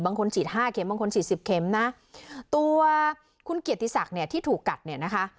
ฉีดห้าเข็มบางคนฉีดสิบเข็มนะตัวคุณเกียรติศักดิ์เนี่ยที่ถูกกัดเนี่ยนะคะ